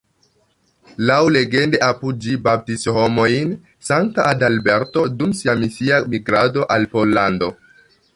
Laŭlegende apud ĝi baptis homojn Sankta Adalberto, dum sia misia migrado al Pollando.